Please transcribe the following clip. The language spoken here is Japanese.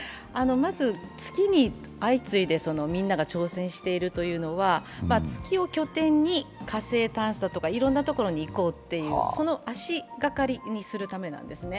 まず月に相次いでみんなが挑戦しているというのは月を拠点に火星探査とか、いろんなところに行こうというその足掛かりにするためなんですね。